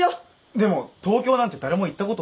でも東京なんて誰も行ったことねえぞ。